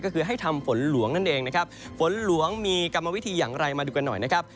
ก็คือให้ทำฝนหลวงนั่นเองนะครับฝนหลวงมีกรรมวิธีอย่างไรมาดูกันหน่อยนะครับ